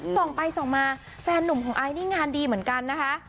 ส่องไปส่องมาแฟนหนุ่มของไอซ์นี่งานดีเหมือนกันนะคะ